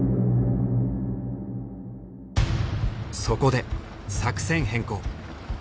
そこで作戦変更。